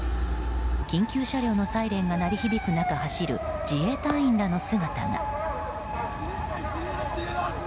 緊急車両のサイレンが鳴り響く中走る、自衛隊員の姿が。